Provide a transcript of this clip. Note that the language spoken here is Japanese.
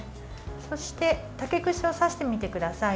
そして竹串を刺してみてください。